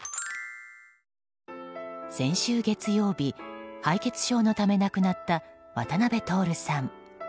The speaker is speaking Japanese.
先週月曜日敗血症のため亡くなった渡辺徹さん。